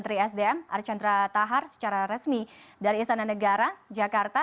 terkait dengan pemberhentian menteri sdm archandra thakar secara resmi dari istana negara jakarta